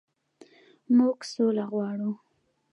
موږ سوله غواړو